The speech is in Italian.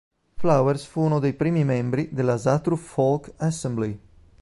Flowers fu uno dei primi membri dell'Asatru Folk Assembly.